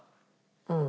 うん。